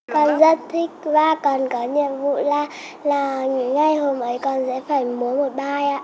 con rất thích ba con có nhiệm vụ là ngày hôm ấy con sẽ phải múa một bài ạ